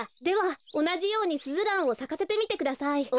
ではおなじようにスズランをさかせてみてください。